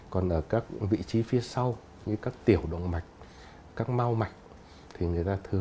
còn ở các vị trí phía sau như các tiểu động mạch các mau mạch